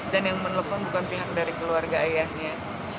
dan yang menelpon bukan pihak dari keluarga ayahnya